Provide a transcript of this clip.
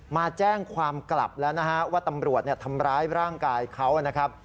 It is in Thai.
มาแจ้งความกลับแล้วนะฮะว่าตำรวจทำร้ายร่างกายเขานะครับ